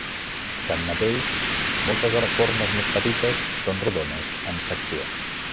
Tanmateix, moltes de les formes més petites són rodones en secció.